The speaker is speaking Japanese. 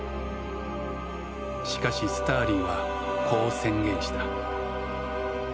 しかしスターリンはこう宣言した。